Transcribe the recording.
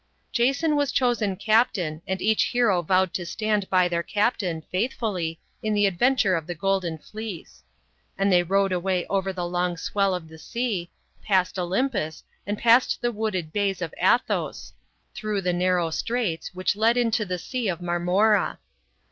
" Jason was chosen captain, and each hero vowed to stand by their captain, faithfully, in the adventure of the Golden Fleece. And they rowed away over the long swell of the sea, past Olympus, and past the wooded bays of Athos, through the narrow straits, which led into the Sea of Marmora.